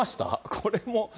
これも。